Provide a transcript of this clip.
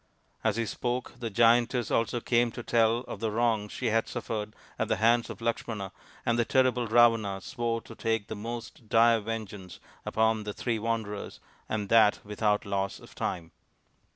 As he spoke the giantess also came to tell of the wrong she had suffered at the hands of Lakshmana, and the terrible Ravana swore to take the most dire vengeance upon the three wanderers, and that without loss of time.